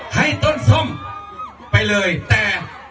ให้ต้นส้มไปเลยแต่